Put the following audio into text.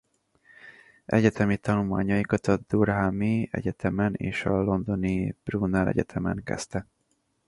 Egyetemi tanulmányait a durhami egyetemen és a londoni Brunel egyetemen kezdte.